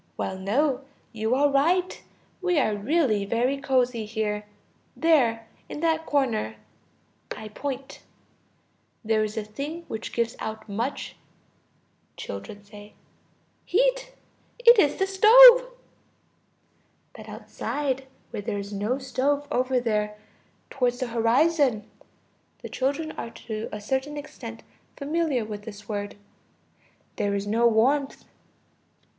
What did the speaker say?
Well, no, you are right; we are really very cozy here. There, in that corner (I point) there is a thing which gives out much ... Children. Heat. It is the stove. But outside, where there is no stove, over there, towards the horizon (the children are to a certain extent familiar with this word), there is no warmth.